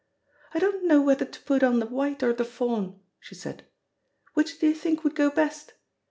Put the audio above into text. "I don't know whether to put on the white or the fawn," she said. "Which do you think would go best?